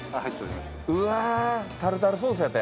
うわタルタルソースやて。